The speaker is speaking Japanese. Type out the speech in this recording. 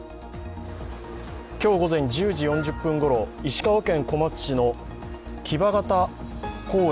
今日午前１０時４０分ころ、石川県小松市の木場潟公園